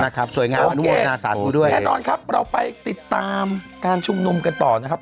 มาครับสวยงามโอเคน่าสาธิตด้วยแค่ตอนครับเราไปติดตามการชุมนุมกันต่อนะครับ